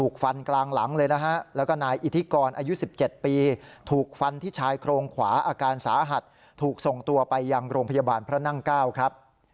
ก็ไปยังโรงพยาบาลพระนั่ง๙ครับ